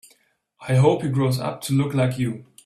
I hope he grows up to look like you.